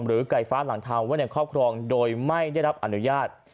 หรือไกลฟ้าหลังเท้าว่าเนี่ยครอบครองโดยไม่ได้รับอนุญาต